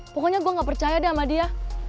pokoknya gue gak percaya deh sama dia